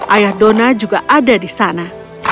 ayah dona juga ada di sana